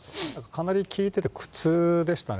かなり聞いてて苦痛でしたね。